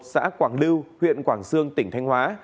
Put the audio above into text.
xã quảng lưu huyện quảng sương tỉnh thanh hóa